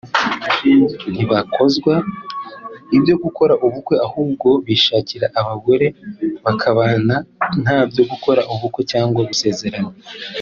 ntibakozwa ibyo gukora ubukwe ahubwo bishakira abagore bakabana ntabyo gukora ubukwe cyangwa gusezerana